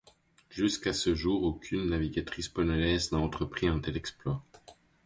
Jusqu'à ce jour aucune navigatrice polonaise n'a entrepris un tel exploit.